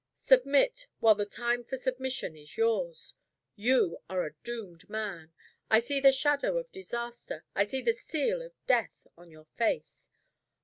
Submit, while the time for submission is yours. You are a doomed man. I see the shadow of disaster, I see the seal of death, on your face.